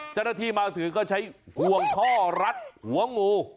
เจ้าหน้าที่มาถึงก็ใช้ห่วงท่อรัดหัวงู